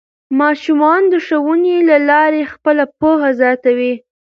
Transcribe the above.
ماشومان د ښوونې له لارې خپله پوهه زیاتوي